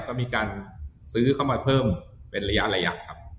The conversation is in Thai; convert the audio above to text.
ก็มีการซื้อเข้ามาเพิ่มเป็นระยะครับ